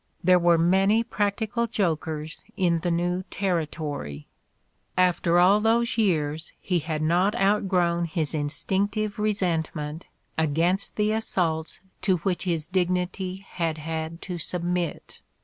There were many practical jokers in the new Terri tory." After all those years he had not outgrown his instinctive resentment against the assaults to which his dignity had had to submit